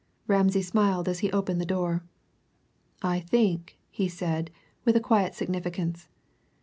Ramsay smiled as he opened the door. "I think," he said, with a quiet significance.